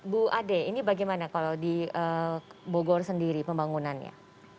bu ade ini bagaimana kalau di bogor sendiri pembangunannya